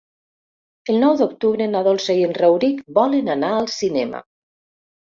El nou d'octubre na Dolça i en Rauric volen anar al cinema.